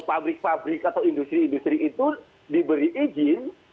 karena pabrik pabrik atau industri industri itu diberi izin